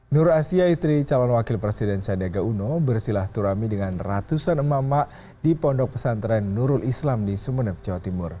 nur asia istri calon wakil presiden sandiaga uno bersilah turami dengan ratusan emak emak di pondok pesantren nurul islam di sumeneb jawa timur